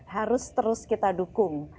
harus terus kita dukung